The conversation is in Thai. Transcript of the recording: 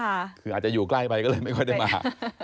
คืออาจจะอยู่ใกล้ไปก็เลยไม่ค่อยได้มา